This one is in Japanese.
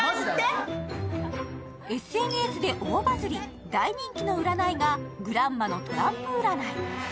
ＳＮＳで大バズリ、大人気の占いがグランマのトランプ占い。